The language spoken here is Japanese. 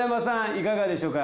いかがでしょうか？